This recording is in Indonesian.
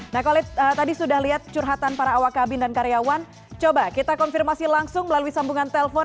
nah kalau tadi sudah lihat curhatan para awak kabin dan karyawan coba kita konfirmasi langsung melalui sambungan telpon